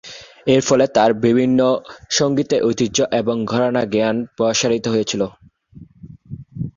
এর ফলে তার বিভিন্ন সংগীতের ঐতিহ্য এবং ঘরানার জ্ঞান প্রসারিত হয়েছিল।